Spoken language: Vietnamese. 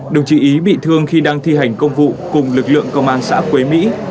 đồng chí ý bị thương khi đang thi hành công vụ cùng lực lượng công an xã quế mỹ